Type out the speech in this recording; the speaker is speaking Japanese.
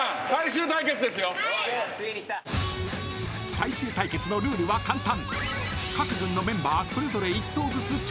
［最終対決のルールは簡単］